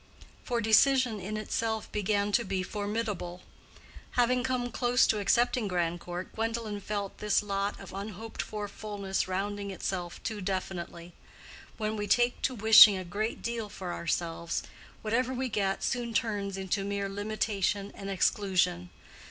For decision in itself began to be formidable. Having come close to accepting Grandcourt, Gwendolen felt this lot of unhoped for fullness rounding itself too definitely. When we take to wishing a great deal for ourselves, whatever we get soon turns into mere limitation and exclusion.